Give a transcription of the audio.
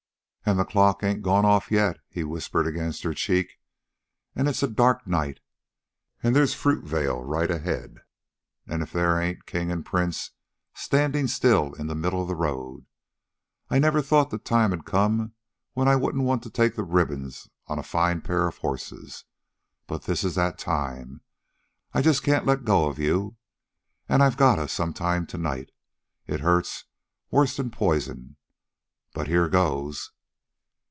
"An' the clock ain't gone off yet," he whispered against her cheek. "And it's a dark night, an' there's Fruitvale right ahead, an' if there ain't King and Prince standin' still in the middle of the road. I never thought the time'd come when I wouldn't want to take the ribbons on a fine pair of horses. But this is that time. I just can't let go of you, and I've gotta some time to night. It hurts worse'n poison, but here goes."